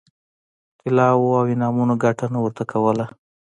طلاوو او انعامونو ګټه نه ورته کوله.